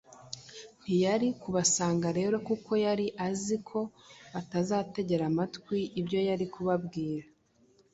Ntiyari kubasanga rero kuko yari azi ko batazategera amatwi ibyo yari kubabwira.